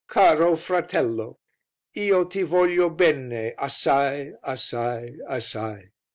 Caro fratello! Io ti voglio bene assai, assai, assai!"